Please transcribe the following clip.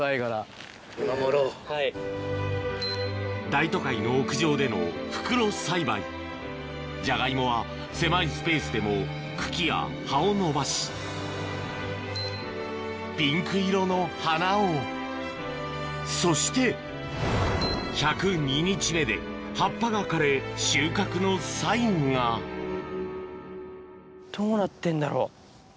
大都会の屋上での袋栽培ジャガイモは狭いスペースでも茎や葉を伸ばしピンク色の花をそして葉っぱが枯れ収穫のサインがどうなってんだろ？